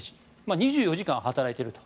２４時間働いていると。